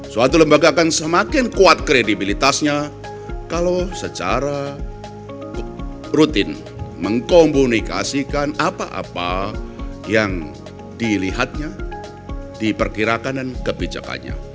suatu lembaga akan semakin kuat kredibilitasnya kalau secara rutin mengkomunikasikan apa apa yang dilihatnya diperkirakan dan kebijakannya